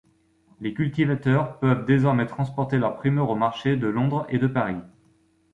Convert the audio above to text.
Les cultivateurs peuvent désormais transporter leurs primeurs aux marchés de Londres et de Paris.